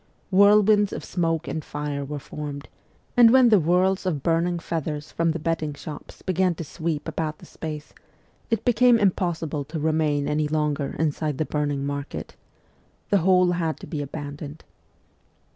Whirlwinds of smoke and fire were formed ; and when the whirls of burning feathers from the bedding shops began to sweep about the space, it became impossible to remain any longer inside the burning market. The whole had to be abandoned.